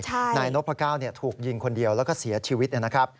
นายนพก้าวถูกยิงคนเดียวแล้วก็เสียชีวิตนะครับ